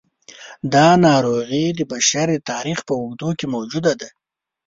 دا ناروغي د بشر د تاریخ په اوږدو کې موجوده ده.